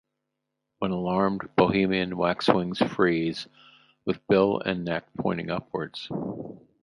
When alarmed, Bohemian waxwings "freeze" with bill and neck pointing upwards.